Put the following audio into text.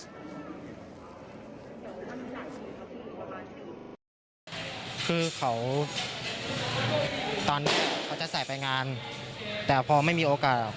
คือเขาตอนที่เขาจะใส่ไปงานแต่พอไม่มีโอกาสหรอก